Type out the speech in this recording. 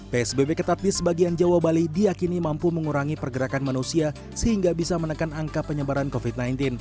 psbb ketat di sebagian jawa bali diakini mampu mengurangi pergerakan manusia sehingga bisa menekan angka penyebaran covid sembilan belas